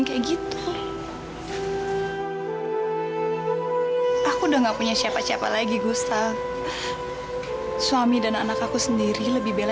kamu harus sisihkan sebagian buat dia ya